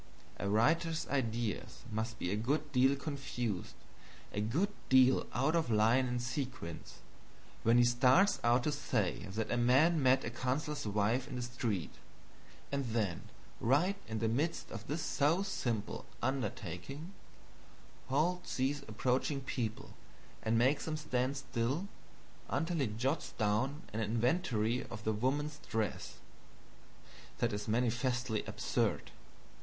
A writer's ideas must be a good deal confused, a good deal out of line and sequence, when he starts out to say that a man met a counselor's wife in the street, and then right in the midst of this so simple undertaking halts these approaching people and makes them stand still until he jots down an inventory of the woman's dress. That is manifestly absurd.